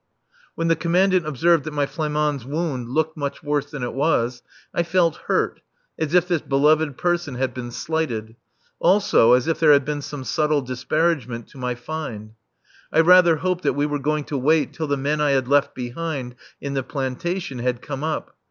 When the Commandant observed that my Flamand's wound looked much worse than it was, I felt hurt, as if this beloved person had been slighted; also as if there was some subtle disparagement to my "find." I rather hoped that we were going to wait till the men I had left behind in the plantation had come up.